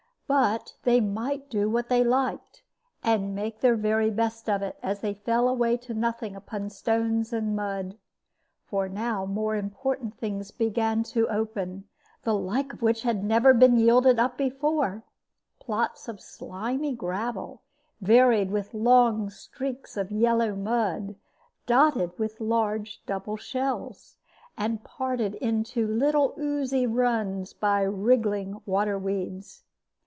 But they might do what they liked, and make their very best of it, as they fell away to nothing upon stones and mud. For now more important things began to open, the like of which never had been yielded up before plots of slimy gravel, varied with long streaks of yellow mud, dotted with large double shells, and parted into little oozy runs by wriggling water weeds.